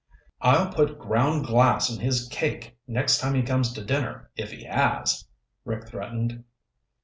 "I'll put ground glass in his cake next time he comes to dinner if he has," Rick threatened.